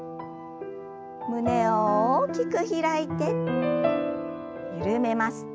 胸を大きく開いて緩めます。